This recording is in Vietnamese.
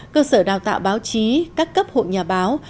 cơ sở đào tạo báo chí các cấp hội nhà báo